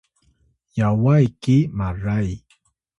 Yaway ki Maray